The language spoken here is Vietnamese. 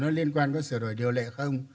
nó liên quan có sửa đổi điều lệ không